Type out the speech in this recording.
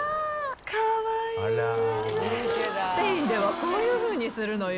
カワイイスペインではこういうふうにするのよ